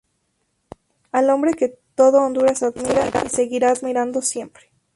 Al hombre que todo Honduras admira y seguirá admirando siempre".